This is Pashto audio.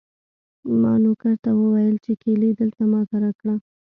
ما نوکر ته وویل چې کیلي دلته ما ته راکړه.